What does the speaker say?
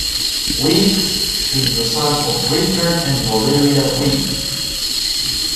Weeks is the son of Richard and Valeria Weeks.